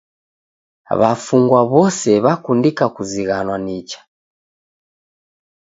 W'afungwa w'ose w'akundika kuzighanwa nicha.